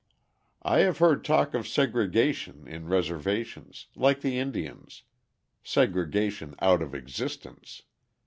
I have heard talk of segregation in reservations, like the Indians segregation out of existence!